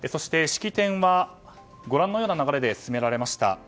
式典はご覧のような流れで進められました。